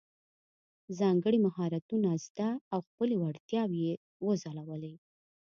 ځانګړي مهارتونه زده او خپلې وړتیاوې یې وځلولې.